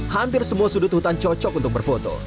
hampir semua sudut hutan cocok untuk berfoto